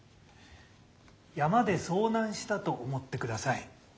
山で遭難したと思ってください。